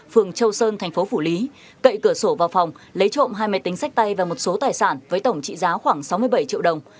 phường châu sơn thành phố phủ lý cậy cửa sổ vào phòng lấy trộm hai máy tính sách tay và một số tài sản với tổng trị giá khoảng sáu mươi bảy triệu đồng